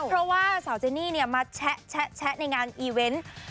เพราะว่าสาวเจนี่มาแชะในงานอีเวนต์